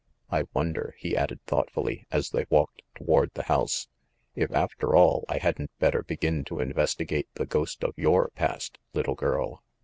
"I wonder," he added thoughtfully, as they walked toward the house, "if, after all, I hadn't better begin to investigate the ghost of your past, little girl!"